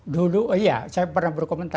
dulu oh iya saya pernah berkomentar